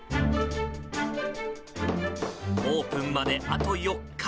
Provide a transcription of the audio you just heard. オープンまであと４日。